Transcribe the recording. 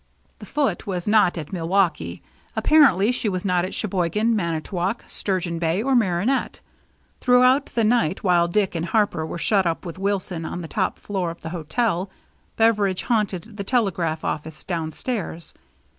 The Foote was not at Milwaukee ; apparently she was not at Sheboygan, Manitowoc, Stur geon Bay, or Marinette. Throughout the night, while Dick and Harper were shut up with Wilson on the top floor of the hotel, Beveridge haunted the telegraph ofiice down stairs.